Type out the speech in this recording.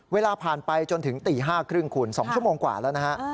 เวลาผ่านไปจนถึงตี๕๓๐คุณ๒ชั่วโมงกว่าแล้วนะฮะ